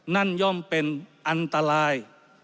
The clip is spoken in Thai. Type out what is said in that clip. นั่นย่อมเป็นอันตราย